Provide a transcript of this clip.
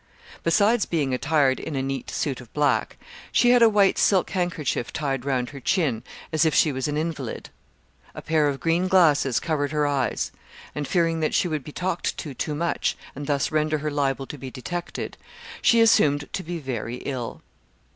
Besides being attired in a neat suit of black, she had a white silk handkerchief tied round her chin, as if she was an invalid. A pair of green glasses covered her eyes; and fearing that she would be talked to too much and thus render her liable to be detected, she assumed to be very ill.